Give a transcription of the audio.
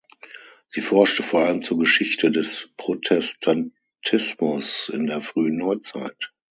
Sie forschte vor allem zur Geschichte des Protestantismus in der Frühen Neuzeit.